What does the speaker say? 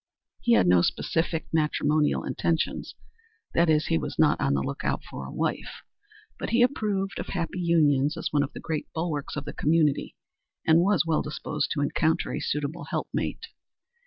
He had no specific matrimonial intentions; that is, he was not on the lookout for a wife; but he approved of happy unions as one of the great bulwarks of the community, and was well disposed to encounter a suitable helpmate.